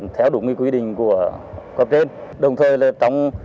theo đúng quy định của cộng đồng